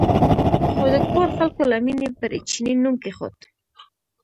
خو د کور خلکو له مینې پرې چیني نوم کېښود.